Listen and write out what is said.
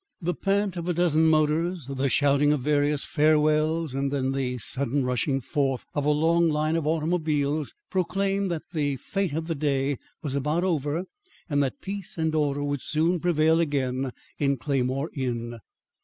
The pant of a dozen motors, the shouting of various farewells and then the sudden rushing forth of a long line of automobiles, proclaimed that the fete of the day was about over and that peace and order would soon prevail again in Claymore Inn.